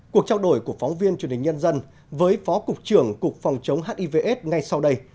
cuộc trao đổi của phóng viên truyền hình nhân dân với phó cục trưởng cục phòng chống hiv aids ngay sau đây